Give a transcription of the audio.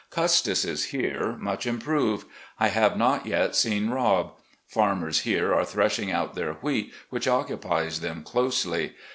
Custis is here, much improved. I have not yet seen Rob. Farmers here are threshing out their wheat, which occupies them closely.